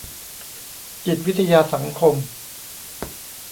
จิตวิทยาสังคม